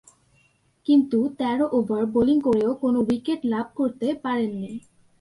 কিন্তু তেরো over bowling করেও কোন উইকেট লাভ করতে পারেননি।